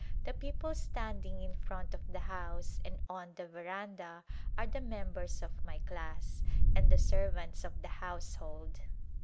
The people stand ing in front of the house and on the veranda are the members of my class, and the servants of the house hold.